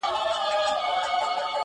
لا لرمه څو خبري اورېدو ته که څوک تم سي؛